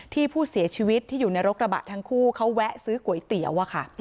ที่ผู้เสียชีวิตที่อยู่ในรถกระบะทั้งคู่เขาแวะซื้อก๋วยเตี๋ยวอะค่ะ